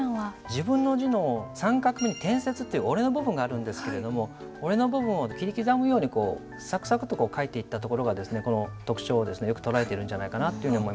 自分の「自」の３画目に転折という折れの部分があるんですけれども折れの部分を切り刻むようにサクサクと書いていったところがこの特徴をよく捉えてるんじゃないかなと思います。